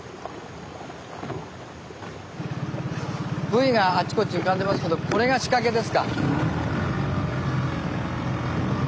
ブイがあちこち浮かんでますけどこれが仕掛けですか？